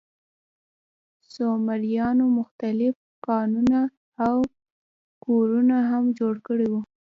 سومریانو مختلف کانالونه او کورونه هم جوړ کړي وو.